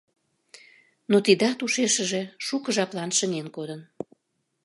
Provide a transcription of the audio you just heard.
Но тидат ушешыже шуко жаплан шыҥен кодын.